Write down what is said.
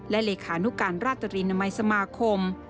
และเลขานุการราตรีนามัยสมาคม